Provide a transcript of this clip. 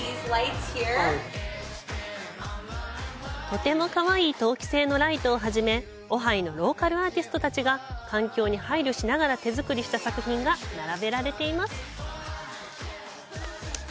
とてもかわいい陶器製のライトをはじめオハイのローカルアーティストたちが環境に配慮しながら手作りした作品が並べられています。